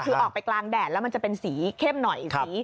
คือออกไปกลางแดดแล้วมันจะเป็นสีเข้มหน่อยสี